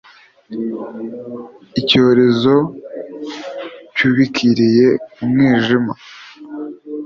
icyorezo cyubikiye mu mwijima